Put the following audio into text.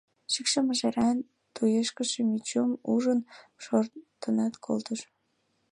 Шӱкшӧ мыжеран, туешкыше Мичум ужын, шортынат колтыш.